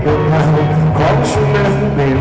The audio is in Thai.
ขอบคุณทุกเรื่องราว